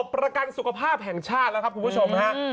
ประกันสุขภาพแห่งชาติแล้วครับคุณผู้ชมฮะ